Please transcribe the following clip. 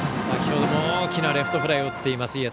先ほども大きなレフトフライを打っています。